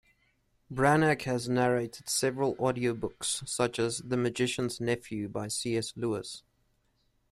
Branagh has narrated several audiobooks, such as "The Magician's Nephew" by C. S. Lewis.